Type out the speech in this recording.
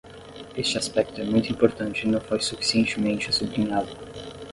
Este aspecto é muito importante e não foi suficientemente sublinhado.